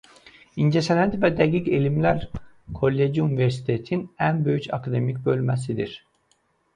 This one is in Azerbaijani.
İncəsənət və Dəqiq Elmlər Kolleci universitetin ən böyük akademik bölməsidir.